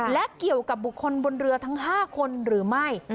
และเกี่ยวกับบุคคลบนเรือทั้ง๕คนหรือไม่